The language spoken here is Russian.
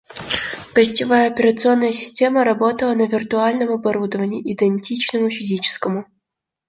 Гостевая операционная система работала на виртуальном оборудовании, идентичному физическому